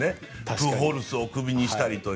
プホルスをクビにしたりと。